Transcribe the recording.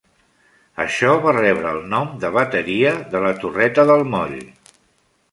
Això va rebre el nom de Bateria de la torreta del moll.